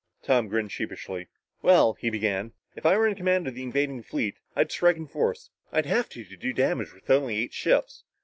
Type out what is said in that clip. Tom grinned sheepishly. "Well," he began, "if I were in command of the invading fleet, I would strike in force I'd have to, to do damage with only eight ships.